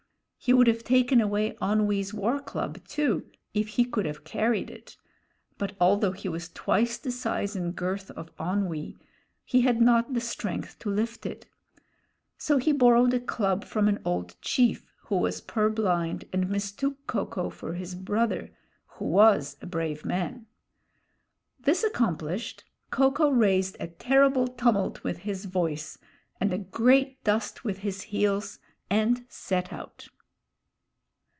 He would have taken away Onwee's war club, too, if he could have carried it; but although he was twice the size and girth of Onwee, he had not the strength to lift it; so he borrowed a club from an old chief, who was purblind and mistook Ko ko for his brother, who was a brave man. This accomplished, Ko ko raised a terrible tumult with his voice and a great dust with his heels, and set out.